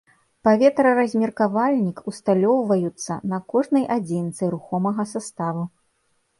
Паветраразмеркавальнік ўсталёўваюцца на кожнай адзінцы рухомага саставу.